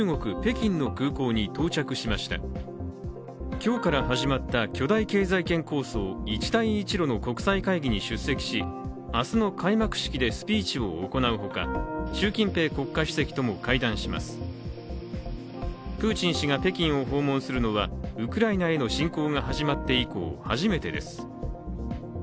今日から始まった巨大経済圏構想・一帯一路の国際会議に出席し明日の開幕式でスピーチを行うほか、プーチン氏が北京を訪問するのはウクライナへの侵攻が始まって以降初めてです